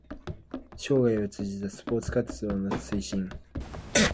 生涯を通じたスポーツ活動の推進